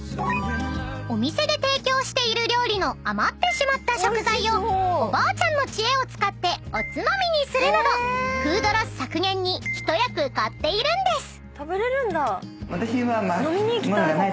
［お店で提供している料理の余ってしまった食材をおばあちゃんの知恵を使っておつまみにするなどフードロス削減に一役買っているんです］